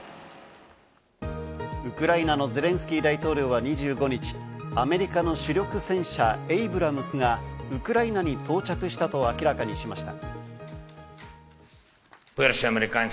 ウクライナのゼレンスキー大統領は２５日、アメリカの主力戦車・エイブラムスがウクライナに到着したと明らかにしました。